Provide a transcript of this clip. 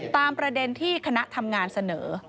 ประเด็นที่คณะทำงานเสนอ